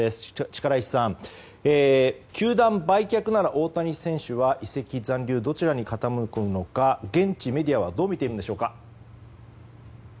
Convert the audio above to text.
力石さん、球団売却なら大谷選手は移籍、残留、どちらに傾くのか現地メディアはどうみているのでしょうか。